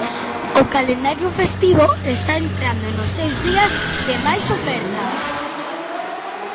O calendario festivo está entrando nos seus días de máis oferta.